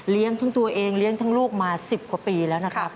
ทั้งตัวเองเลี้ยงทั้งลูกมา๑๐กว่าปีแล้วนะครับ